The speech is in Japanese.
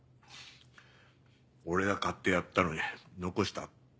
「俺が買ってやったのに残した」